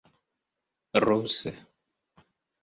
ruse